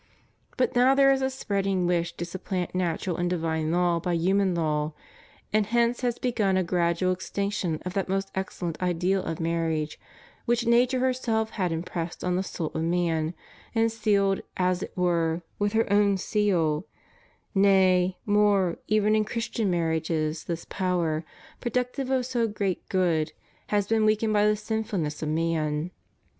But now there is a spreading wish to supplant natural and divine law by human law; and hence has begun a gradual extinction of that most excellent ideal of marriage which Nature herself had impressed on the soul of man, and sealed, as it were, with her own seal; nay, more, even in Christian marriages this power, productive of so great good, has been weakened by the sinfulness of man.